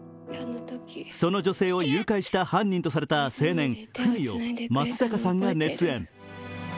その女性を誘拐した犯人とされた青年・文を松坂さんが熱演。